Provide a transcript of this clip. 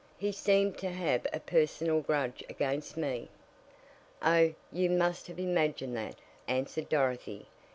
He seemed to have a personal grudge against me." "Oh, you must have imagined that," answered Dorothy.